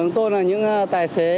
chúng tôi là những tài xế